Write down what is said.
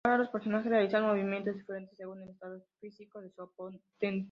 Ahora los personajes realizan movimientos diferentes según el estado físico de su oponente.